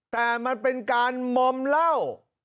แต่มันเป็นการมอมเหล้า